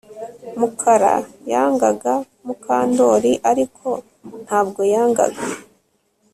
Mukara yangaga Mukandoli ariko ntabwo yangaga